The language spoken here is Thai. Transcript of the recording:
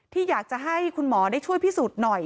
ที่อยากจะให้คุณหมอได้ช่วยพิสูจน์หน่อย